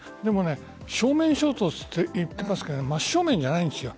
正面衝突していっていますから真正面じゃないんです。